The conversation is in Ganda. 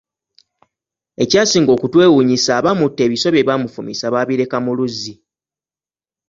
Ekyasinga okutwewuunyisa abaamutta ebiso bye baamufumisa baabireka mu luzzi.